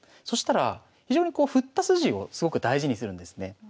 そしたら非常にこう振った筋をすごく大事にするんですね。